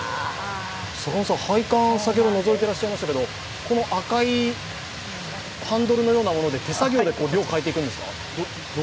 配管、先ほどのぞいていらっしゃいましたけれども、この赤いハンドルのようなもので手作業で量を変えていくんですか？